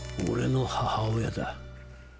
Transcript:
俺の母親だ。